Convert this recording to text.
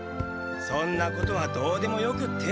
そんなことはどうでもよくって。